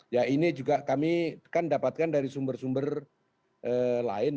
ya ini juga kami kan dapatkan dari sumber sumber lain